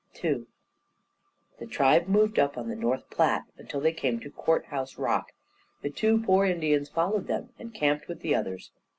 II The tribe moved up on the North Platte, until they came to Court House Rock. The two poor Indians followed them, and camped with the others.